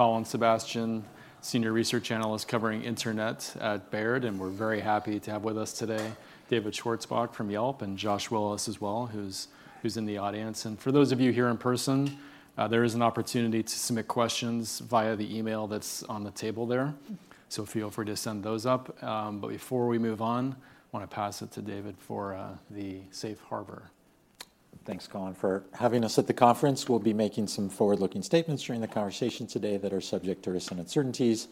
Colin Sebastian, senior research analyst covering internet at Baird, and we're very happy to have with us today David Schwarzbach from Yelp, and Josh Willis as well, who's in the audience. For those of you here in person, there is an opportunity to submit questions via the email that's on the table there. So feel free to send those up. But before we move on, I wanna pass it to David for the safe harbor. Thanks, Colin, for having us at the conference. We'll be making some forward-looking statements during the conversation today that are subject to risks and uncertainties.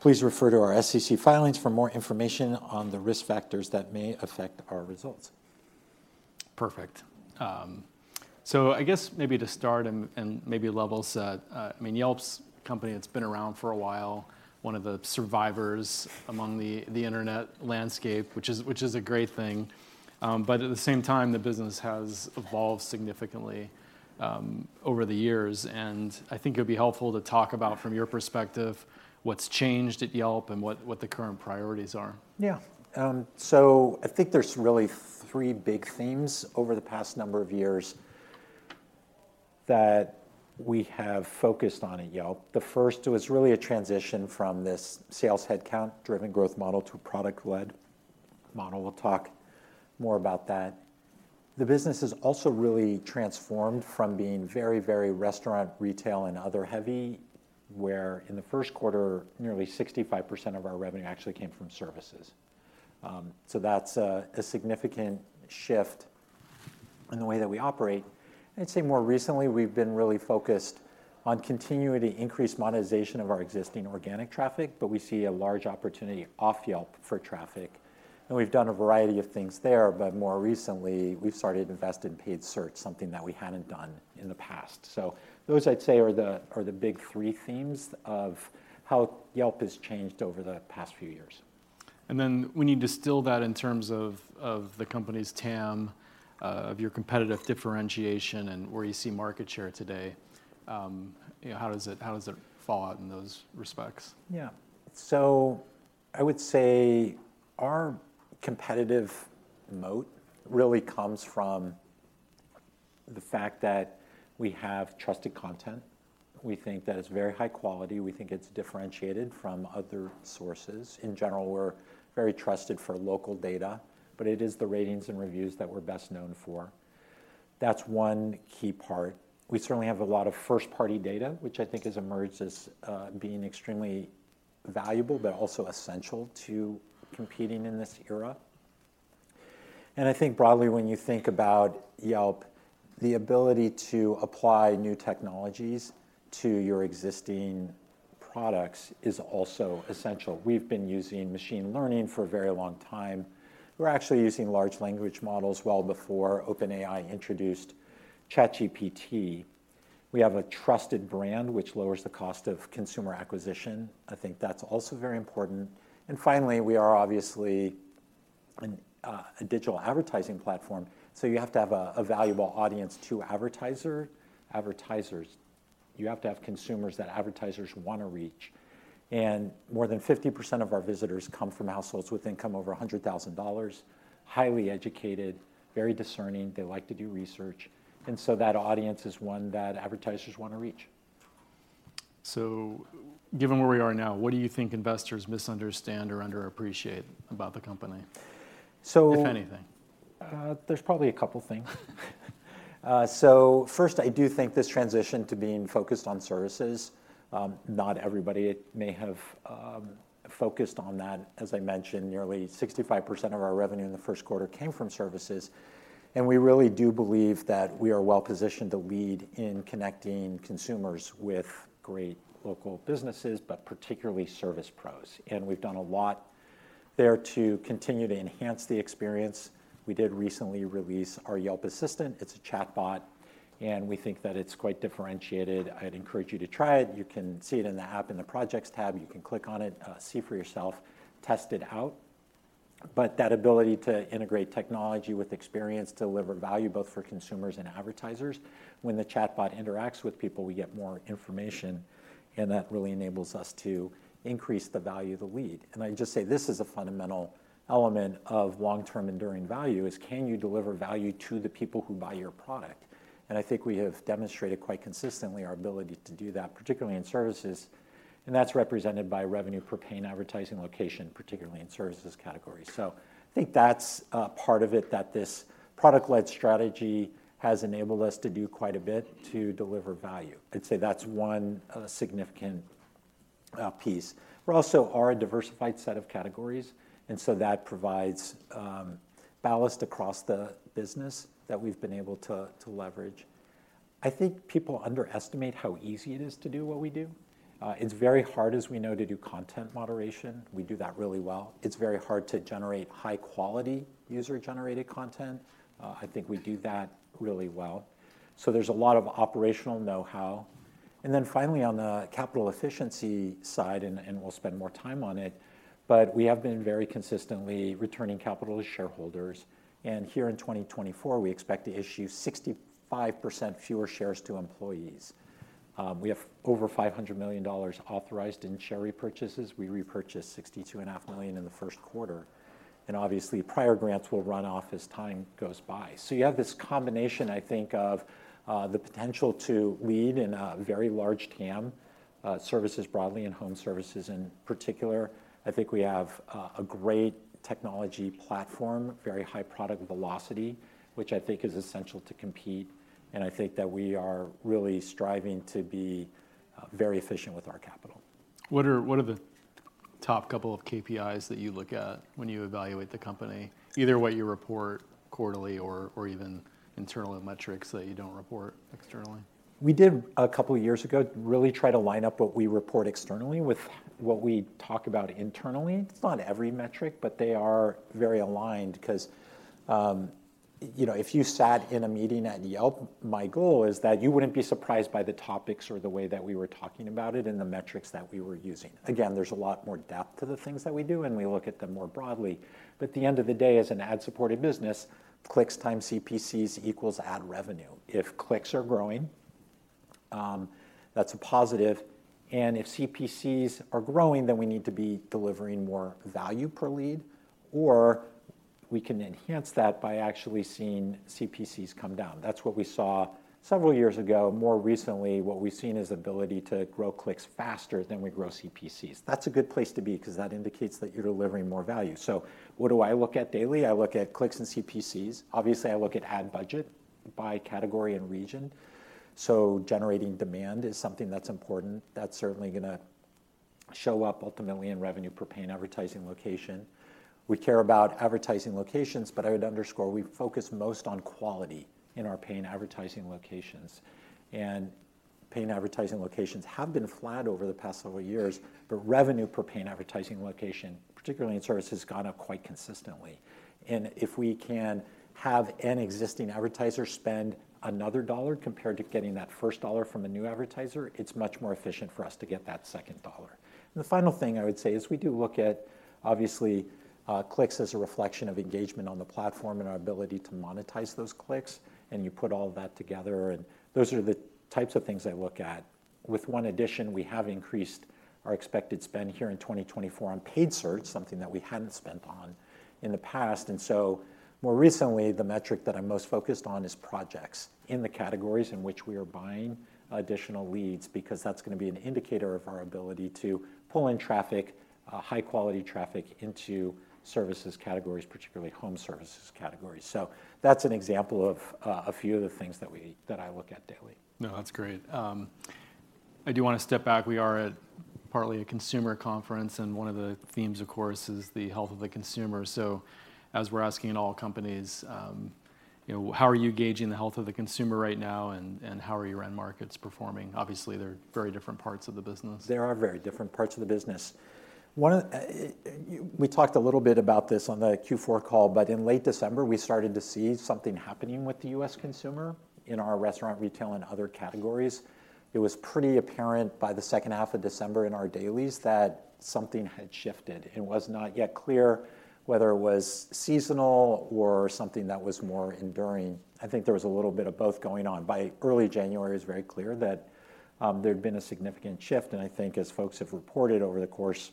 Please refer to our SEC filings for more information on the risk factors that may affect our results. Perfect. So I guess maybe to start and maybe level set, I mean, Yelp's a company that's been around for a while, one of the survivors among the internet landscape, which is a great thing. But at the same time, the business has evolved significantly over the years, and I think it'd be helpful to talk about, from your perspective, what's changed at Yelp and what the current priorities are. Yeah. So I think there's really three big themes over the past number of years that we have focused on at Yelp. The first was really a transition from this sales headcount driven growth model to a product-led model. We'll talk more about that. The business has also really transformed from being very, very restaurant, retail, and other heavy, where in the first quarter, nearly 65% of our revenue actually came from services. So that's a significant shift in the way that we operate. I'd say more recently, we've been really focused on continuing to increase monetization of our existing organic traffic, but we see a large opportunity off Yelp for traffic, and we've done a variety of things there, but more recently, we've started to invest in paid search, something that we hadn't done in the past. So those, I'd say, are the big three themes of how Yelp has changed over the past few years. Then when you distill that in terms of the company's TAM, your competitive differentiation and where you see market share today, you know, how does it fall out in those respects? Yeah. So I would say our competitive moat really comes from the fact that we have trusted content. We think that it's very high quality. We think it's differentiated from other sources. In general, we're very trusted for local data, but it is the ratings and reviews that we're best known for. That's one key part. We certainly have a lot of first-party data, which I think has emerged as, being extremely valuable, but also essential to competing in this era. And I think broadly, when you think about Yelp, the ability to apply new technologies to your existing products is also essential. We've been using machine learning for a very long time. We were actually using large language models well before OpenAI introduced ChatGPT. We have a trusted brand, which lowers the cost of consumer acquisition. I think that's also very important. And finally, we are obviously an, a digital advertising platform, so you have to have a, a valuable audience to advertiser, advertisers. You have to have consumers that advertisers wanna reach, and more than 50% of our visitors come from households with income over $100,000, highly educated, very discerning. They like to do research, and so that audience is one that advertisers wanna reach. Given where we are now, what do you think investors misunderstand or underappreciate about the company? So- -if anything? There's probably a couple things. So first, I do think this transition to being focused on services, not everybody may have focused on that. As I mentioned, nearly 65% of our revenue in the first quarter came from services, and we really do believe that we are well positioned to lead in connecting consumers with great local businesses, but particularly service pros, and we've done a lot there to continue to enhance the experience. We did recently release our Yelp Assistant. It's a chatbot, and we think that it's quite differentiated. I'd encourage you to try it. You can see it in the app in the Projects tab. You can click on it, see for yourself, test it out. But that ability to integrate technology with experience, deliver value both for consumers and advertisers. When the chatbot interacts with people, we get more information, and that really enables us to increase the value of the lead. I'd just say this is a fundamental element of long-term enduring value: is can you deliver value to the people who buy your product? I think we have demonstrated quite consistently our ability to do that, particularly in services, and that's represented by revenue per paying advertising location, particularly in services categories. So I think that's a part of it, that this product-led strategy has enabled us to do quite a bit to deliver value. I'd say that's one, significant, piece. We're also a diversified set of categories, and so that provides ballast across the business that we've been able to leverage. I think people underestimate how easy it is to do what we do. It's very hard, as we know, to do content moderation. We do that really well. It's very hard to generate high-quality, user-generated content. I think we do that really well. So there's a lot of operational know-how. And then finally, on the capital efficiency side, we'll spend more time on it, but we have been very consistently returning capital to shareholders, and here in 2024, we expect to issue 65% fewer shares to employees. We have over $500 million authorized in share repurchases. We repurchased $62.5 million in the first quarter and obviously, prior grants will run off as time goes by. So you have this combination, I think, of the potential to lead in a very large TAM, services broadly and home services in particular. I think we have a great technology platform, very high product velocity, which I think is essential to compete, and I think that we are really striving to be very efficient with our capital. What are the top couple of KPIs that you look at when you evaluate the company? Either what you report quarterly or even internal metrics that you don't report externally. We did a couple of years ago, really try to line up what we report externally with what we talk about internally. It's not every metric, but they are very aligned 'cause, you know, if you sat in a meeting at Yelp, my goal is that you wouldn't be surprised by the topics or the way that we were talking about it and the metrics that we were using. Again, there's a lot more depth to the things that we do, and we look at them more broadly. But at the end of the day, as an ad-supported business, clicks times CPCs equals ad revenue. If clicks are growing, that's a positive, and if CPCs are growing, then we need to be delivering more value per lead, or we can enhance that by actually seeing CPCs come down. That's what we saw several years ago. More recently, what we've seen is ability to grow clicks faster than we grow CPCs. That's a good place to be 'cause that indicates that you're delivering more value. So what do I look at daily? I look at clicks and CPCs. Obviously, I look at ad budget by category and region, so generating demand is something that's important. That's certainly gonna show up ultimately in revenue per paying advertising location. We care about advertising locations, but I would underscore, we focus most on quality in our paying advertising locations. Paying advertising locations have been flat over the past several years, but revenue per paying advertising location, particularly in Services, has gone up quite consistently. If we can have an existing advertiser spend another dollar compared to getting that first dollar from a new advertiser, it's much more efficient for us to get that second dollar. The final thing I would say is we do look at, obviously, clicks as a reflection of engagement on the platform and our ability to monetize those clicks, and you put all of that together, and those are the types of things I look at. With one addition, we have increased our expected spend here in 2024 on paid search, something that we hadn't spent on in the past. And so more recently, the metric that I'm most focused on is projects in the categories in which we are buying additional leads, because that's gonna be an indicator of our ability to pull in traffic, high-quality traffic, into services categories, particularly home services categories. So that's an example of, a few of the things that that I look at daily. No, that's great. I do wanna step back. We are at partly a consumer conference, and one of the themes, of course, is the health of the consumer. So as we're asking in all companies, you know, how are you gauging the health of the consumer right now, and, and how are your end markets performing? Obviously, they're very different parts of the business. They are very different parts of the business. One of, we talked a little bit about this on the Q4 call, but in late December, we started to see something happening with the U.S. consumer in our restaurant, retail, and other categories. It was pretty apparent by the second half of December in our dailies that something had shifted. It was not yet clear whether it was seasonal or something that was more enduring. I think there was a little bit of both going on. By early January, it was very clear that there'd been a significant shift, and I think as folks have reported over the course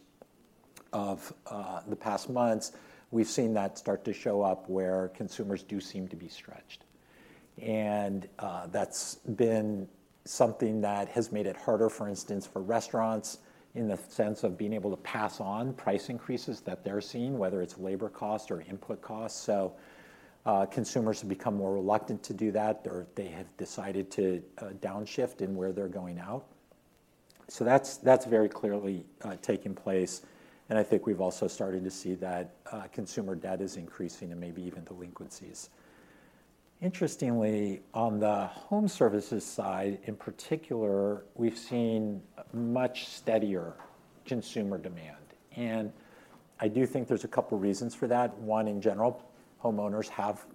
of, the past months, we've seen that start to show up where consumers do seem to be stretched. That's been something that has made it harder, for instance, for restaurants, in the sense of being able to pass on price increases that they're seeing, whether it's labor cost or input costs. So, consumers have become more reluctant to do that, or they have decided to, downshift in where they're going out. So that's, that's very clearly, taking place, and I think we've also started to see that, consumer debt is increasing and maybe even delinquencies. Interestingly, on the home services side, in particular, we've seen much steadier consumer demand, and I do think there's a couple reasons for that. One, in general, homeowners have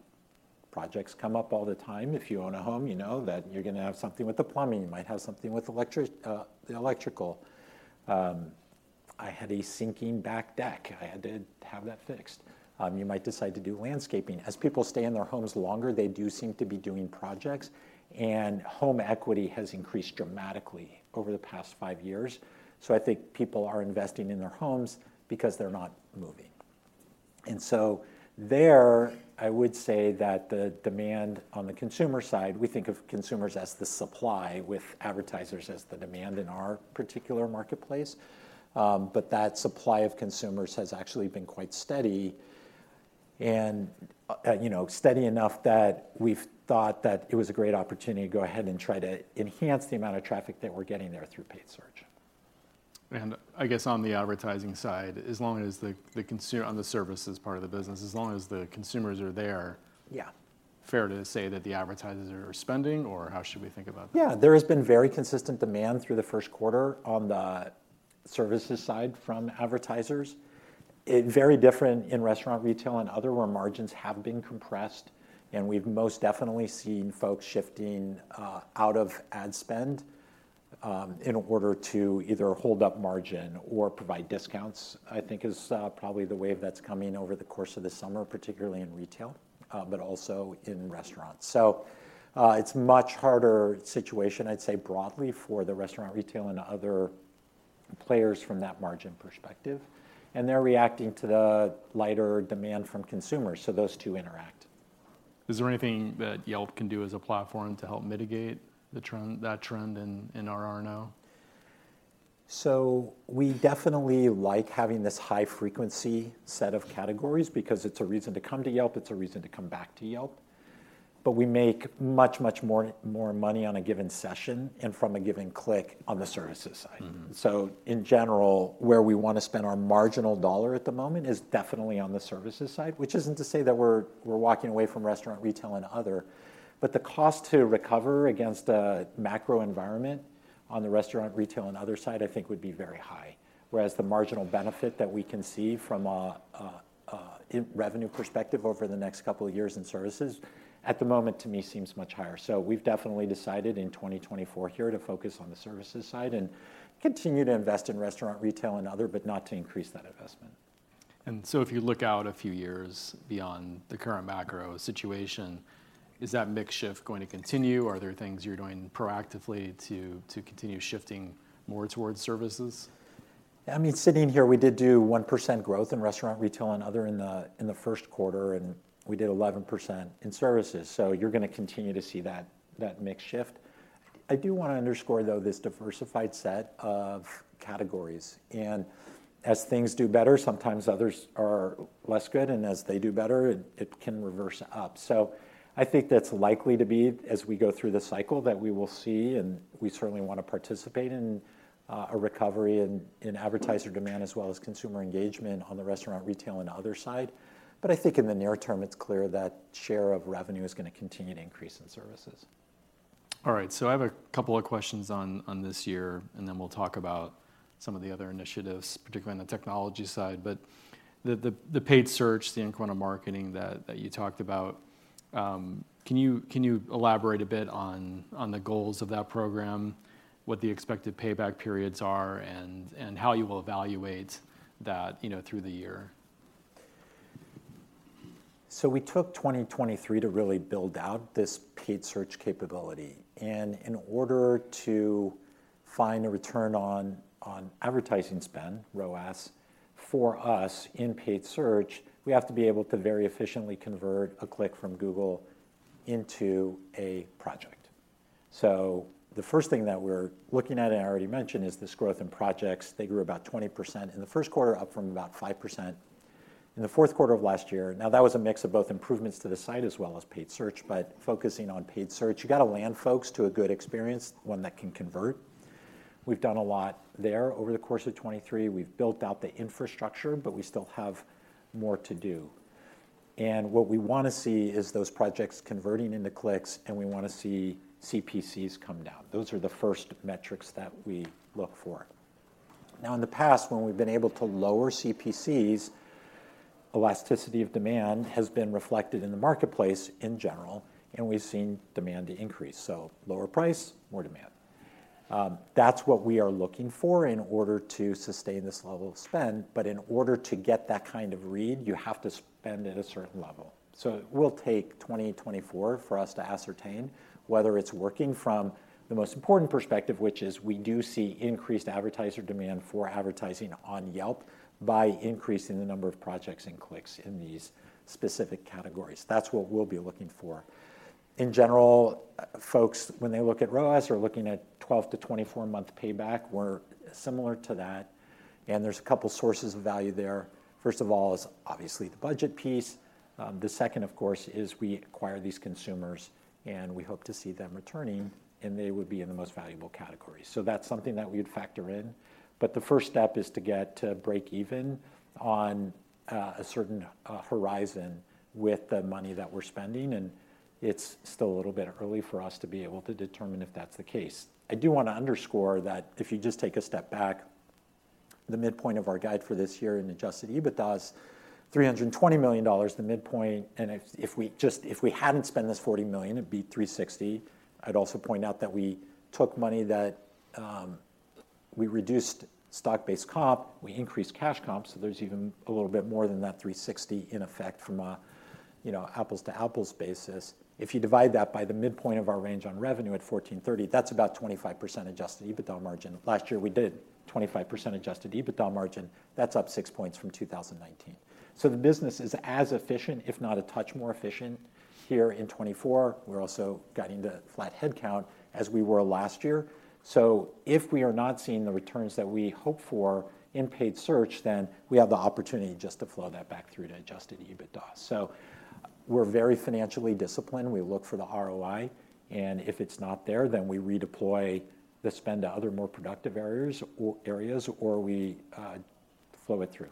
projects come up all the time. If you own a home, you know that you're gonna have something with the plumbing. You might have something with electric- the electrical. I had a sinking back deck. I had to have that fixed. You might decide to do landscaping. As people stay in their homes longer, they do seem to be doing projects, and home equity has increased dramatically over the past five years. So I think people are investing in their homes because they're not moving. And so there, I would say that the demand on the consumer side, we think of consumers as the supply, with advertisers as the demand in our particular marketplace. But that supply of consumers has actually been quite steady and, you know, steady enough that we've thought that it was a great opportunity to go ahead and try to enhance the amount of traffic that we're getting there through paid search. I guess on the advertising side, on the services part of the business, as long as the consumers are there, Yeah. fair to say that the advertisers are spending, or how should we think about that? Yeah, there has been very consistent demand through the first quarter on the Services side from advertisers. It's very different in Restaurant, Retail & Other, where margins have been compressed, and we've most definitely seen folks shifting out of ad spend in order to either hold up margin or provide discounts, I think is probably the wave that's coming over the course of the summer, particularly in retail, but also in restaurants. So, it's much harder situation, I'd say broadly for the Restaurant, Retail & Other players from that margin perspective, and they're reacting to the lighter demand from consumers, so those two interact. Is there anything that Yelp can do as a platform to help mitigate the trend, that trend in RR now? So we definitely like having this high frequency set of categories because it's a reason to come to Yelp, it's a reason to come back to Yelp. But we make much, much more, more money on a given session and from a given click on the services side. Mm-hmm. In general, where we wanna spend our marginal dollar at the moment is definitely on the Services side, which isn't to say that we're walking away from Restaurant, Retail & Other, but the cost to recover against a macro environment on the Restaurant, Retail & Other side, I think would be very high. Whereas the marginal benefit that we can see from a revenue perspective over the next couple of years in Services, at the moment, to me, seems much higher. We've definitely decided in 2024 here to focus on the Services side and continue to invest in Restaurant, Retail & Other, but not to increase that investment. And so if you look out a few years beyond the current macro situation, is that mix shift going to continue? Are there things you're doing proactively to continue shifting more towards services? I mean, sitting here, we did do 1% growth in restaurant, retail, and other in the first quarter, and we did 11% in services, so you're gonna continue to see that mix shift. I do wanna underscore, though, this diversified set of categories, and as things do better, sometimes others are less good, and as they do better, it can reverse up. So I think that's likely to be as we go through the cycle, that we will see, and we certainly wanna participate in a recovery in advertiser demand, as well as consumer engagement on the restaurant, retail, and other side. But I think in the near term, it's clear that share of revenue is gonna continue to increase in services. All right, so I have a couple of questions on this year, and then we'll talk about some of the other initiatives, particularly on the technology side. But the paid search, the in-house marketing that you talked about, can you elaborate a bit on the goals of that program, what the expected payback periods are, and how you will evaluate that, you know, through the year? So we took 2023 to really build out this paid search capability, and in order to find a return on advertising spend, ROAS, for us in paid search, we have to be able to very efficiently convert a click from Google into a project. So the first thing that we're looking at, and I already mentioned, is this growth in projects. They grew about 20% in the first quarter, up from about 5% in the fourth quarter of last year. Now, that was a mix of both improvements to the site as well as paid search, but focusing on paid search, you gotta land folks to a good experience, one that can convert. We've done a lot there over the course of 2023. We've built out the infrastructure, but we still have more to do. What we wanna see is those projects converting into clicks, and we wanna see CPCs come down. Those are the first metrics that we look for. Now, in the past, when we've been able to lower CPCs, elasticity of demand has been reflected in the marketplace in general, and we've seen demand increase, so lower price, more demand. That's what we are looking for in order to sustain this level of spend, but in order to get that kind of read, you have to spend at a certain level. It will take 2024 for us to ascertain whether it's working from the most important perspective, which is we do see increased advertiser demand for advertising on Yelp by increasing the number of projects and clicks in these specific categories. That's what we'll be looking for. In general, folks, when they look at ROAS, are looking at 12 to 24 month payback. We're similar to that, and there's a couple sources of value there. First of all, is obviously the budget piece. The second, of course, is we acquire these consumers, and we hope to see them returning, and they would be in the most valuable category. So that's something that we would factor in, but the first step is to get to break even on a certain horizon with the money that we're spending, and it's still a little bit early for us to be able to determine if that's the case. I do wanna underscore that if you just take a step back, the midpoint of our guide for this year in Adjusted EBITDA is $320 million, the midpoint, and if we hadn't spent this $40 million, it'd be $360 million. I'd also point out that we took money that we reduced stock-based comp, we increased cash comp, so there's even a little bit more than that $360 million in effect from a, you know, apples-to-apples basis. If you divide that by the midpoint of our range on revenue at $1,430 million, that's about 25% Adjusted EBITDA margin. Last year, we did 25% Adjusted EBITDA margin. That's up six points from 2019. So the business is as efficient, if not a touch more efficient, here in 2024. We're also guiding to flat headcount as we were last year. So if we are not seeing the returns that we hope for in Paid Search, then we have the opportunity just to flow that back through to Adjusted EBITDA. So we're very financially disciplined. We look for the ROI, and if it's not there, then we redeploy the spend to other more productive areas or areas, or we flow it through.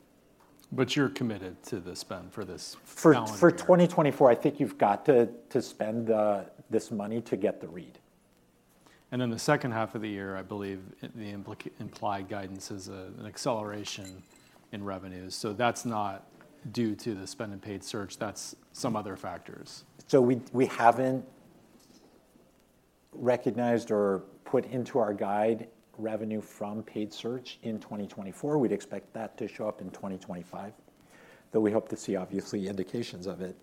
But you're committed to the spend for this calendar year? For 2024, I think you've got to spend this money to get the read. In the second half of the year, I believe the implied guidance is an acceleration in revenues, so that's not due to the spend in Paid Search, that's some other factors. So we haven't recognized or put into our guide revenue from paid search in 2024. We'd expect that to show up in 2025, but we hope to see, obviously, indications of it.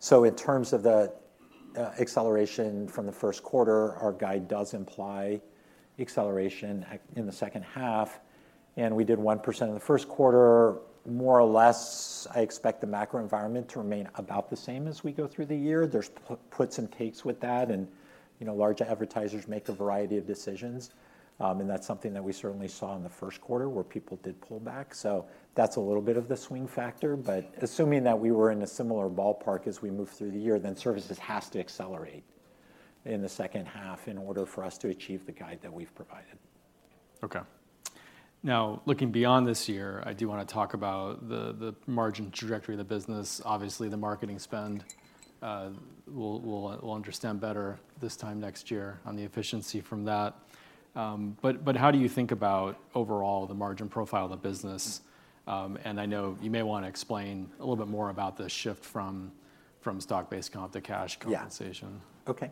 So in terms of the acceleration from the first quarter, our guide does imply acceleration in the second half, and we did 1% in the first quarter. More or less, I expect the macro environment to remain about the same as we go through the year. There's puts and takes with that, and, you know, large advertisers make a variety of decisions. And that's something that we certainly saw in the first quarter, where people did pull back. That's a little bit of the swing factor, but assuming that we were in a similar ballpark as we move through the year, then Services has to accelerate in the second half in order for us to achieve the guide that we've provided. Okay. Now, looking beyond this year, I do wanna talk about the margin trajectory of the business. Obviously, the marketing spend, we'll understand better this time next year on the efficiency from that. But how do you think about, overall, the margin profile of the business? And I know you may wanna explain a little bit more about the shift from stock-based comp to cash compensation. Yeah. Okay.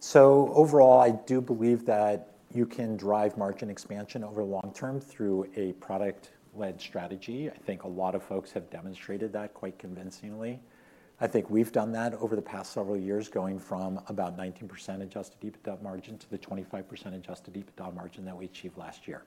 So overall, I do believe that you can drive margin expansion over long term through a Product-Led Strategy. I think a lot of folks have demonstrated that quite convincingly. I think we've done that over the past several years, going from about 19% Adjusted EBITDA margin to the 25% Adjusted EBITDA margin that we achieved last year.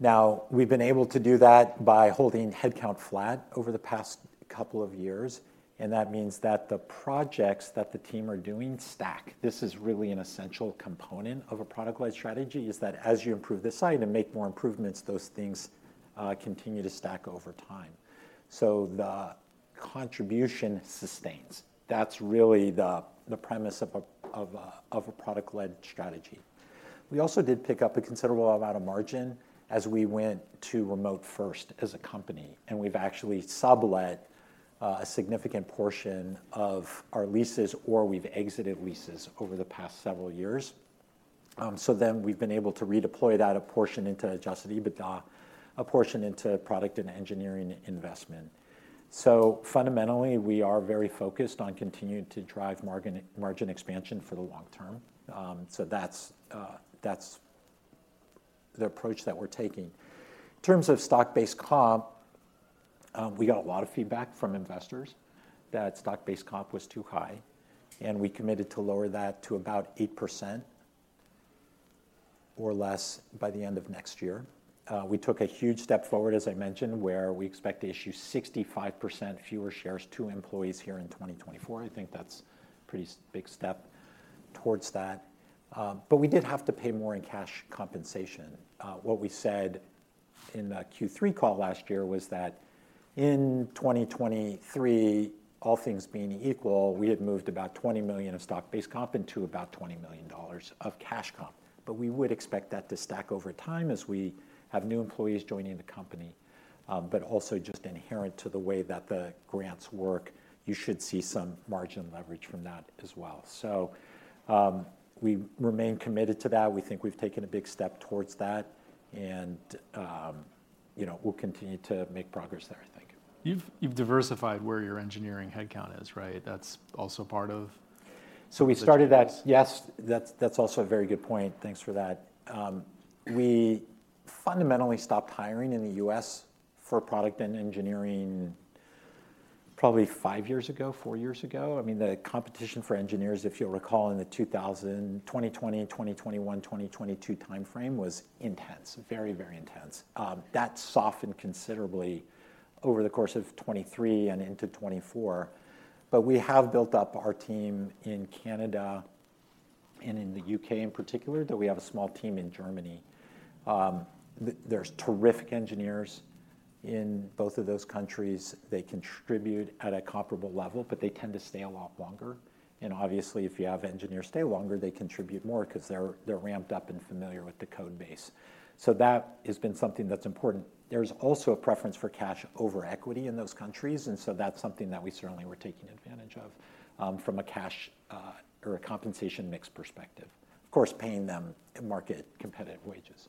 Now, we've been able to do that by holding headcount flat over the past couple of years, and that means that the projects that the team are doing stack. This is really an essential component of a Product-Led Strategy, is that as you improve this site and make more improvements, those things continue to stack over time, so the contribution sustains. That's really the premise of a Product-Led Strategy. We also did pick up a considerable amount of margin as we went to remote first as a company, and we've actually sublet a significant portion of our leases, or we've exited leases over the past several years. So then we've been able to redeploy that, a portion into Adjusted EBITDA, a portion into product and engineering investment. So fundamentally, we are very focused on continuing to drive margin, margin expansion for the long term. So that's, that's the approach that we're taking. In terms of stock-based comp, we got a lot of feedback from investors that stock-based comp was too high, and we committed to lower that to about 8% or less by the end of next year. We took a huge step forward, as I mentioned, where we expect to issue 65% fewer shares to employees here in 2024. I think that's pretty big step towards that. But we did have to pay more in cash compensation. What we said in the Q3 call last year was that in 2023, all things being equal, we had moved about $20 million of stock-based comp into about $20 million of cash comp. But we would expect that to stack over time as we have new employees joining the company. But also just inherent to the way that the grants work, you should see some margin leverage from that as well. So, we remain committed to that. We think we've taken a big step towards that, and, you know, we'll continue to make progress there, I think. You've diversified where your engineering headcount is, right? That's also part of- So we started that. Yes, that's also a very good point. Thanks for that. We fundamentally stopped hiring in the U.S. for product and engineering probably 5 years ago, 4 years ago. I mean, the competition for engineers, if you'll recall, in the 2020, 2021, 2022 timeframe, was intense. Very, very intense. That softened considerably over the course of 2023 and into 2024. But we have built up our team in Canada and in the U.K. in particular, though we have a small team in Germany. There's terrific engineers in both of those countries. They contribute at a comparable level, but they tend to stay a lot longer, and obviously, if you have engineers stay longer, they contribute more 'cause they're ramped up and familiar with the code base. So that has been something that's important. There's also a preference for cash over equity in those countries, and so that's something that we certainly were taking advantage of, from a cash, or a compensation mix perspective. Of course, paying them market competitive wages.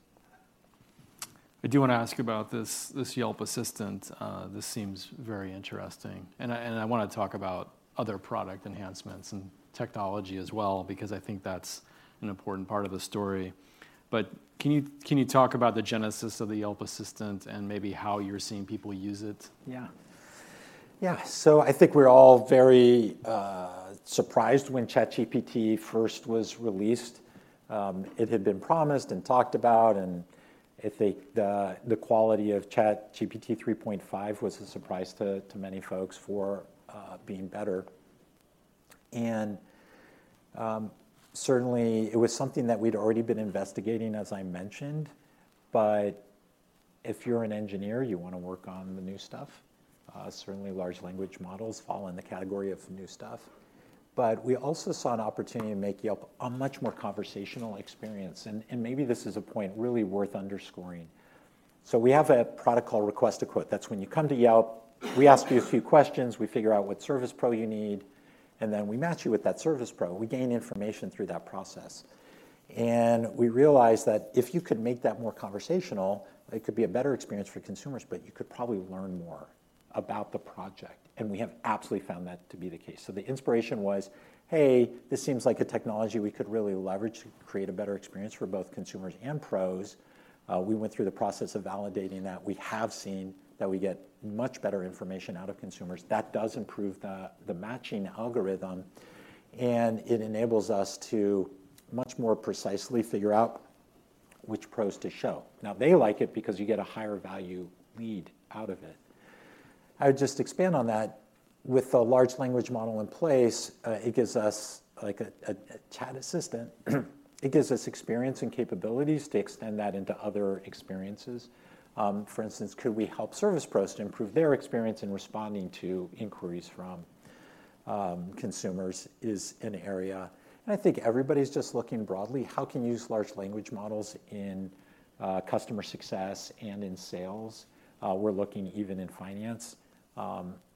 I do wanna ask about this, this Yelp Assistant. This seems very interesting, and I wanna talk about other product enhancements and technology as well because I think that's an important part of the story. But can you talk about the genesis of the Yelp Assistant and maybe how you're seeing people use it? Yeah. Yeah, so I think we're all very surprised when ChatGPT first was released. It had been promised and talked about, and I think the quality of ChatGPT 3.5 was a surprise to many folks for being better. And certainly, it was something that we'd already been investigating, as I mentioned, but if you're an engineer, you wanna work on the new stuff. Certainly, large language models fall in the category of new stuff. But we also saw an opportunity to make Yelp a much more conversational experience, and maybe this is a point really worth underscoring. So we have a product called Request a Quote. That's when you come to Yelp, we ask you a few questions, we figure out what service pro you need, and then we match you with that service pro. We gain information through that process and we realized that if you could make that more conversational, it could be a better experience for consumers, but you could probably learn more about the project. And we have absolutely found that to be the case. So the inspiration was, hey, this seems like a technology we could really leverage to create a better experience for both consumers and pros. We went through the process of validating that. We have seen that we get much better information out of consumers. That does improve the matching algorithm, and it enables us to much more precisely figure out which pros to show. Now, they like it because you get a higher value lead out of it. I would just expand on that, with the large language model in place, it gives us like a chat assistant. It gives us experience and capabilities to extend that into other experiences. For instance, could we help service pros to improve their experience in responding to inquiries from consumers, is an area, and I think everybody's just looking broadly, how can you use large language models in customer success and in sales? We're looking even in finance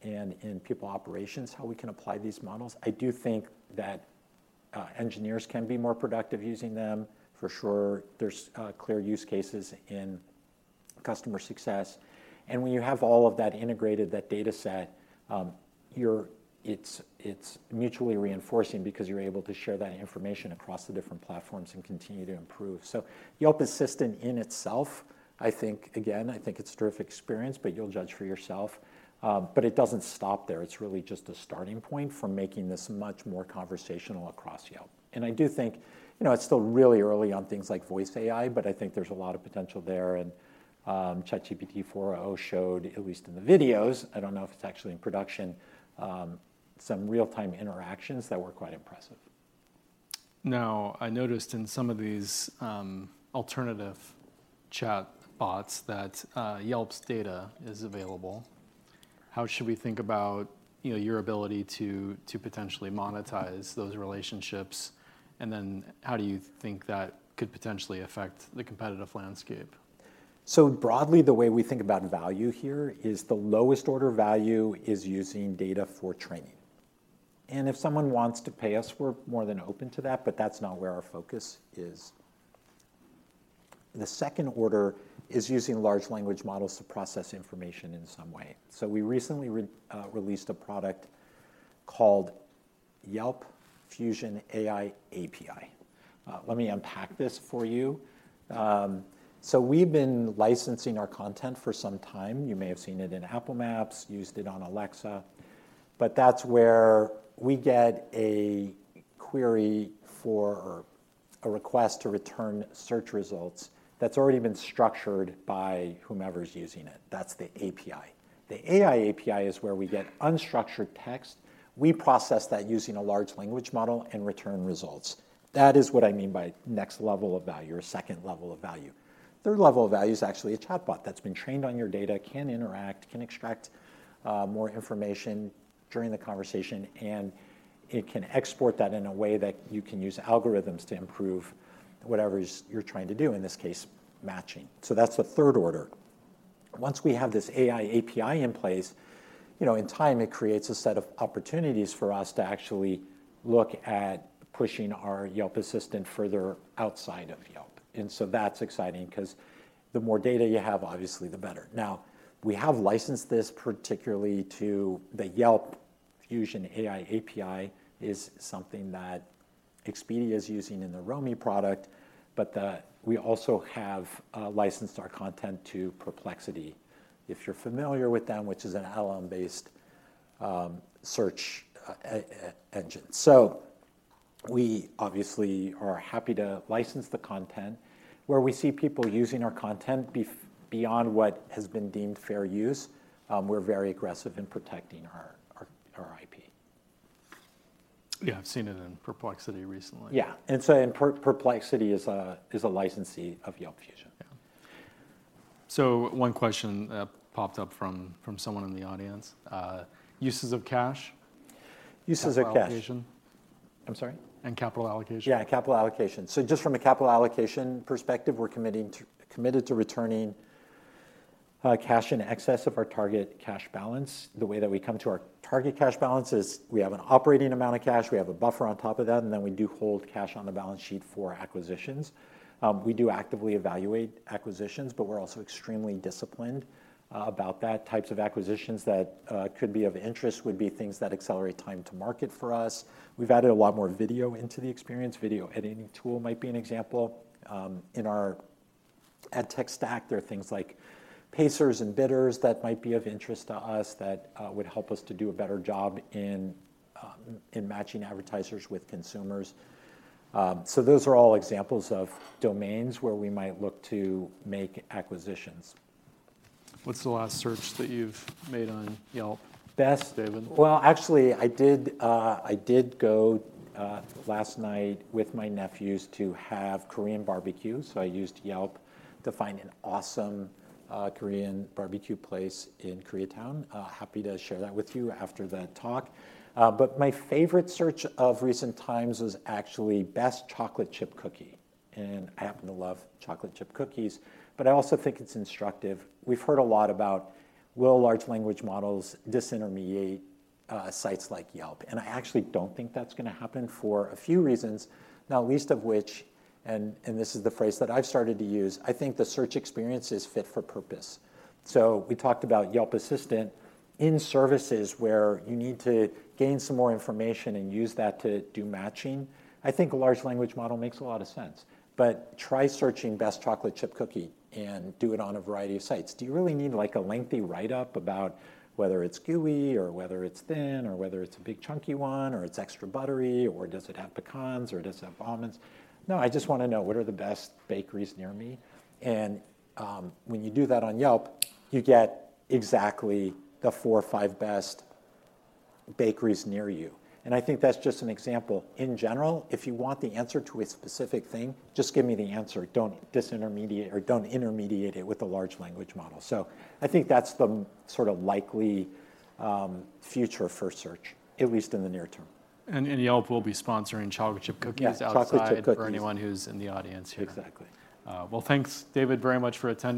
and in people operations, how we can apply these models. I do think that engineers can be more productive using them for sure. There's clear use cases in customer success, and when you have all of that integrated, that data set, you're, it's, it's mutually reinforcing because you're able to share that information across the different platforms and continue to improve. So Yelp Assistant in itself, I think, again, I think it's a terrific experience, but you'll judge for yourself. But it doesn't stop there. It's really just a starting point for making this much more conversational across Yelp. I do think, you know, it's still really early on things like voice AI, but I think there's a lot of potential there. ChatGPT-4o showed, at least in the videos, I don't know if it's actually in production, some real-time interactions that were quite impressive. Now, I noticed in some of these, alternative chatbots that, Yelp's data is available. How should we think about, you know, your ability to potentially monetize those relationships? And then how do you think that could potentially affect the competitive landscape? So broadly, the way we think about value here is the lowest order value is using data for training. And if someone wants to pay us, we're more than open to that, but that's not where our focus is. The second order is using large language models to process information in some way. So we recently released a product called Yelp Fusion AI API. Let me unpack this for you. So we've been licensing our content for some time. You may have seen it in Apple Maps, used it on Alexa, but that's where we get a query for a request to return search results that's already been structured by whomever's using it. That's the API. The AI API is where we get unstructured text. We process that using a large language model and return results. That is what I mean by next level of value or second level of value. Third level of value is actually a chatbot that's been trained on your data, can interact, can extract, more information during the conversation, and it can export that in a way that you can use algorithms to improve whatever is you're trying to do, in this case, matching. So that's the third order. Once we have this AI API in place, you know, in time, it creates a set of opportunities for us to actually look at pushing our Yelp Assistant further outside of Yelp, and so that's exciting 'cause the more data you have, obviously, the better. Now, we have licensed this, particularly to the Yelp Fusion AI API, is something that Expedia is using in the Romie product, but, we also have, licensed our content to Perplexity. If you're familiar with them, which is an LLM-based search engine. So we obviously are happy to license the content. Where we see people using our content beyond what has been deemed fair use, we're very aggressive in protecting our IP. Yeah, I've seen it in Perplexity recently. Yeah. And so, Perplexity is a licensee of Yelp Fusion. Yeah. So one question popped up from someone in the audience. Uses of cash. Uses of cash. Capital allocation. I'm sorry? Capital allocation. Yeah, capital allocation. So just from a capital allocation perspective, we're committing to—committed to returning cash in excess of our target cash balance. The way that we come to our target cash balance is we have an operating amount of cash, we have a buffer on top of that, and then we do hold cash on the balance sheet for acquisitions. We do actively evaluate acquisitions, but we're also extremely disciplined about that. Types of acquisitions that could be of interest would be things that accelerate time to market for us. We've added a lot more video into the experience. Video editing tool might be an example. In our ad tech stack, there are things like pacers and bidders that might be of interest to us that would help us to do a better job in matching advertisers with consumers. Those are all examples of domains where we might look to make acquisitions. What's the last search that you've made on Yelp? Best-... David? Well, actually, I did, I did go last night with my nephews to have Korean barbecue, so I used Yelp to find an awesome Korean barbecue place in Koreatown. Happy to share that with you after the talk. But my favorite search of recent times was actually best chocolate chip cookie, and I happen to love chocolate chip cookies, but I also think it's instructive. We've heard a lot about, will large language models disintermediate sites like Yelp? And I actually don't think that's gonna happen for a few reasons, not least of which, and this is the phrase that I've started to use: I think the search experience is fit for purpose. So we talked about Yelp Assistant. In services where you need to gain some more information and use that to do matching, I think a large language model makes a lot of sense. But try searching best chocolate chip cookie and do it on a variety of sites. Do you really need, like, a lengthy write-up about whether it's gooey, or whether it's thin, or whether it's a big chunky one, or it's extra buttery, or does it have pecans, or does it have almonds? No, I just wanna know, what are the best bakeries near me? And, when you do that on Yelp, you get exactly the four or five best bakeries near you, and I think that's just an example. In general, if you want the answer to a specific thing, just give me the answer. Don't disintermediate or don't intermediate it with a large language model. I think that's the sort of likely future for search, at least in the near term. And Yelp will be sponsoring chocolate chip cookies. Yeah, chocolate chip cookies.... outside for anyone who's in the audience here. Exactly. Well, thanks, David, very much for attending.